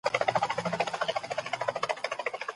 زه اوږده وخت د کور کالي مينځم وم.